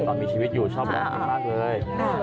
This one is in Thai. ตอนมีชีวิตอยู่ชอบมากเลย